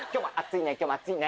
今日も暑いね